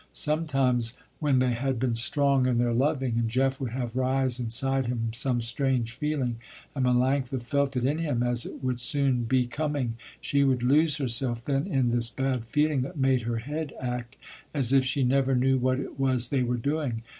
Sometimes when they had been strong in their loving, and Jeff would have rise inside him some strange feeling, and Melanctha felt it in him as it would soon be coming, she would lose herself then in this bad feeling that made her head act as if she never knew what it was they were doing.